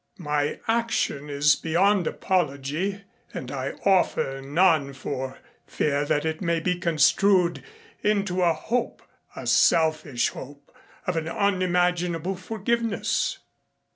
My action is beyond apology and I offer none for fear that it may be construed into a hope a selfish hope of an unimaginable forgiveness.